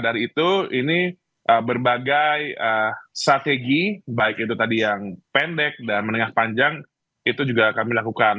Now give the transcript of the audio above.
dan itu ini berbagai strategi baik itu tadi yang pendek dan menengah panjang itu juga kami lakukan